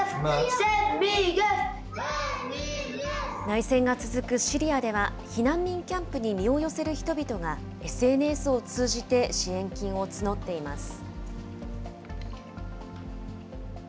内戦が続くシリアでは、避難民キャンプに身を寄せる人々が、ＳＮＳを通じて支援金を募っています。